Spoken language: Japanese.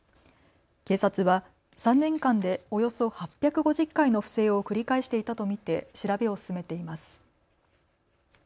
警察は３年間でおよそ８５０回の不正を繰り返していたと見て調べを進めています。